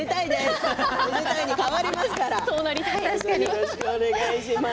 よろしくお願いします。